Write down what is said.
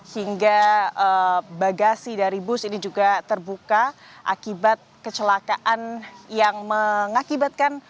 hingga bagasi dari bus ini juga terbuka akibat kecelakaan yang mengakibatkan